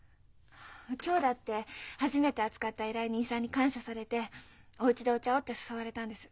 今日だって初めて扱った依頼人さんに感謝されて「おうちでお茶を」って誘われたんです。